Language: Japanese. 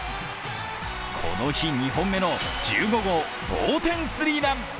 この日、２本目の１５号同点スリーラン。